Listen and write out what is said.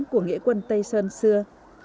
của nghĩa quân tây sơn xưa